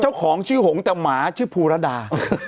เจ้าของชื่อหงแต่หมาชื่อภูระดา